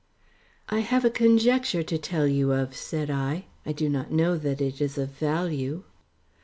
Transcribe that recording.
"I have a conjecture to tell you of," said I, "I do not know that it is of value."